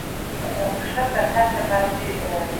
ګورګین په غرونو کې پټ شو او بیا یې بښنه وغوښته.